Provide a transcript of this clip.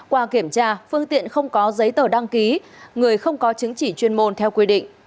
qua kiểm tra phương tiện không có giấy tờ đăng ký người không có chứng chỉ chuyên môn theo quy định